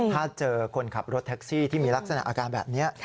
ถ้าเจอคนขับรถแท็กซี่ที่มีลักษณะอาการแบบนี้